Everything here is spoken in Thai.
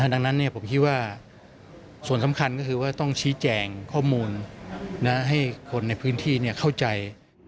ดังนั้นผมคิดว่าส่วนสำคัญก็คือว่าต้องชี้แจงข้อมูลให้คนในพื้นที่เข้าใจ